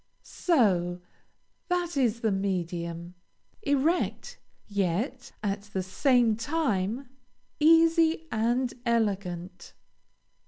So! that is the medium. Erect, yet, at the same time, easy and elegant.